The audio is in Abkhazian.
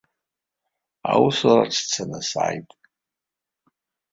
Аусураҿы сцаны сааит.